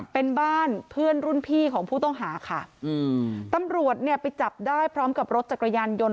เป็นบ้านเพื่อนรุ่นพี่ของผู้ต้องหาค่ะอืมตำรวจเนี่ยไปจับได้พร้อมกับรถจักรยานยนต์